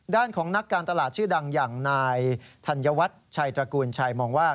ด้านของนักการตลาดชื่อดังอย่างนายธัญวัฒน์ชัยตระกูลชัยมองว่า